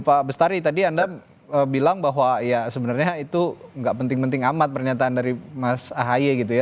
pak bestari tadi anda bilang bahwa ya sebenarnya itu nggak penting penting amat pernyataan dari mas ahaye gitu ya